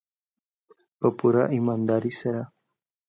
په پوره ایمانداري سره.